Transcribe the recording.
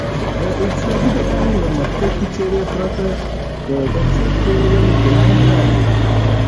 د اقتصادي ډګر له مخکښې څېرې پرته د بنسټ جوړول ګران کار و.